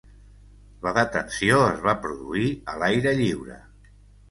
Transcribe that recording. La detenció es va produir a l'aire lliure.